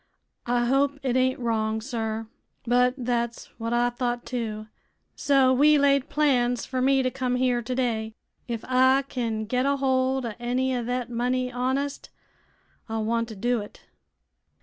I hope it ain't wrong, sir; but thet's what I thought, too. So we laid plans fer me to come here today. Ef I kin get a hold o' any o' thet money honest, I want to do it."